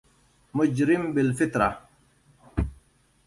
مجرم بالفطره